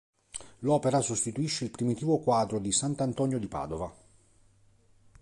L'opera sostituisce il primitivo quadro di "Sant'Antonio di Padova".